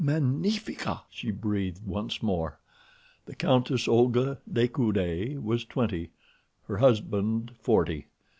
"Magnifique!" she breathed once more. The Countess Olga de Coude was twenty. Her husband forty.